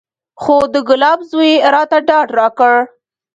خو د ګلاب زوى راته ډاډ راکړ.